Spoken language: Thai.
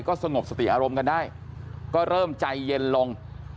สงบสติอารมณ์กันได้ก็เริ่มใจเย็นลง